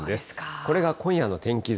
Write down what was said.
これが今夜の天気図。